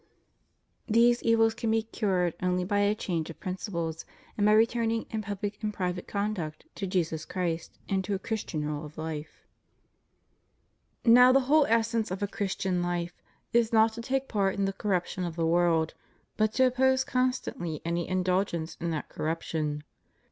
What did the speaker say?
These evils can be cured only by a change of principles, and by returning in pubUc and private conduct to Jesus Christ and to a Christian rule of life. Now the whole essence of a Christian life is not to take part in the corruption of the world, but to oppose constantly any indulgence in that corruption.